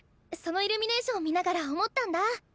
そのイルミネーション見ながら思ったんだ。